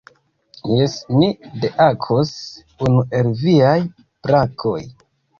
Jes, mi dehakos unu el viaj brakoj.